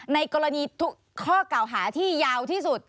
ในกรณีทุกข้อเก่าหาที่ยาวที่สุด